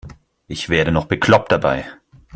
Ich werde noch bekloppt dabei.